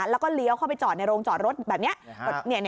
แล้วก็เลี้ยวเข้าไปจอดในโรงจอดรถแบบนี้